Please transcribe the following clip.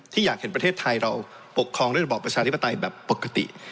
อยากเห็นประเทศไทยเราปกครองด้วยระบอบประชาธิปไตยแบบปกติ